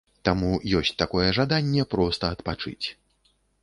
Таму ёсць такое жаданне проста адпачыць.